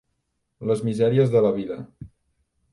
Les misèries de la vida.